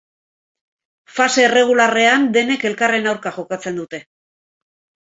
Fase erregularrean denek elkarren aurka jokatzen dute.